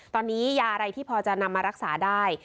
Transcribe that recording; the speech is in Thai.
ตอนนี้ยาอะไรที่พอจะนำมารักษาได้